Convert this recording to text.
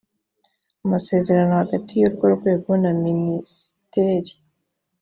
amasezerano hagati y urwo rwego na minisiteri